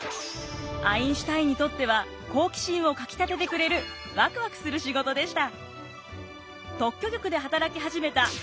アインシュタインにとっては好奇心をかきたててくれるワクワクする仕事でした。